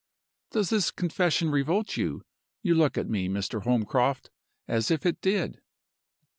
"Does this confession revolt you? You look at me, Mr. Holmcroft, as if it did.